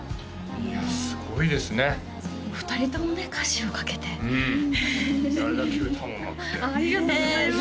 いやすごいですね２人ともね歌詞を書けてあれだけ歌もうまくてありがとうございます